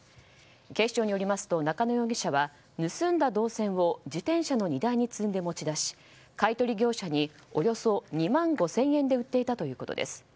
警視庁によりますと中野容疑者は盗んだ銅線を自転車の荷台に積んで持ち出し買取業者におよそ２万５０００円で売っていたということです。